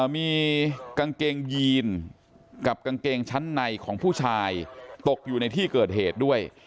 มีกางเกงยีนกับกางเกงชั้นในของผู้ชายตกอยู่ในที่เกิดเหตุด้วย